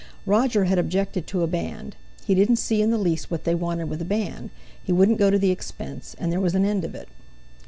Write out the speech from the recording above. Roger had objected to a band. He didn't see in the least what they wanted with a band; he wouldn't go to the expense, and there was an end of it.